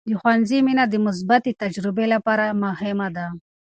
د ښوونځي مینه د مثبتې تجربې لپاره مهمه ده.